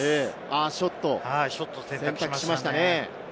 ショットを選択しましたね。